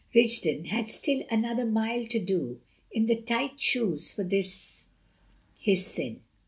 Rigden had still another mile to do in the tight shoes for this his sin.